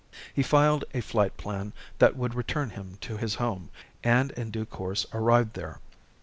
He filed a flight plan that would return him to his home, and in due course arrived there.